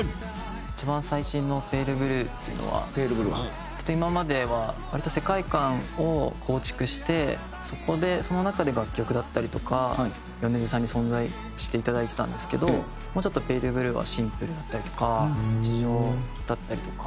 一番最新の『ＰａｌｅＢｌｕｅ』っていうのはきっと今までは割と世界観を構築してそこでその中で楽曲だったりとか米津さんに存在していただいてたんですけどもうちょっと『ＰａｌｅＢｌｕｅ』はシンプルだったりとか日常だったりとか。